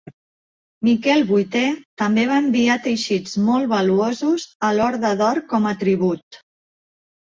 Miquel VIII també va enviar teixits molt valuosos a l'Horda d'Or com a tribut.